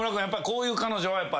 やっぱりこういう彼女は。